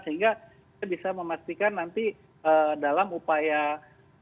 sehingga kita bisa memastikan nanti dalam upaya